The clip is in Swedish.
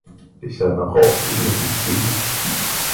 Men det tjänar rakt ingenting till.